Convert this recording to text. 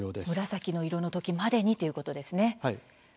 紫の色のときまでにということですね。